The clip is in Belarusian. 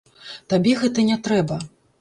Табе гэта не трэба.